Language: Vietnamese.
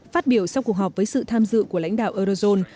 phát biểu sau cuộc họp với sự tham dự của lãnh đạo eurozone